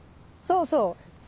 そうそう。